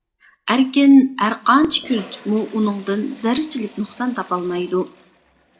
ئەركىن ھەرقانچە كۆزىتىپمۇ ئۇنىڭدىن زەررىچىلىك نۇقسان تاپالمايدۇ.